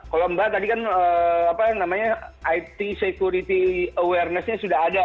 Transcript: kalau mbak tadi kan it security awarenessnya sudah ada